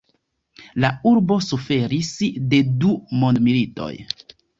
La urbo suferis de du mondmilitoj.